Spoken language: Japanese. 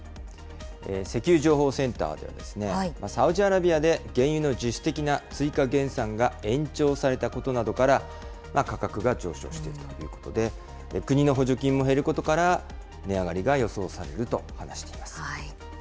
石油情報センターでは、サウジアラビアで原油の自主的な追加減産が延長されたことなどから価格が上昇しているということで、国の補助金も減ることから、値上がりが予想されると話しています。